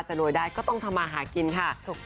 รวยได้ก็ต้องทำมาหากินค่ะ